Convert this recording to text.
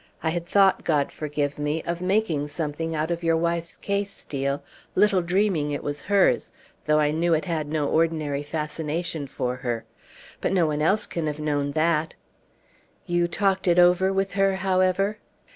I had thought, God forgive me, of making something out of your wife's case, Steel, little dreaming it was hers, though I knew it had no ordinary fascination for her. But no one else can have known that." "You talked it over with her, however?"